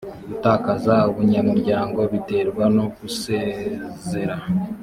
gutakaza ubunyamuryango biterwa no gusezera